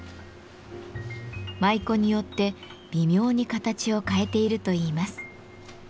舞妓によって微妙に形を変えているといいます。